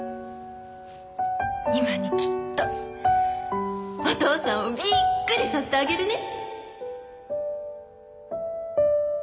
今にきっとお父さんをビックリさせてあげるね！